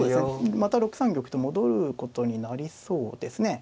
また６三玉と戻ることになりそうですね。